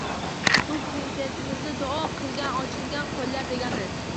Bu prezidentimizni duo qilib, ochilgan qoʻllar degani.